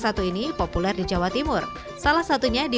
jakson dan busuk telur dan hangus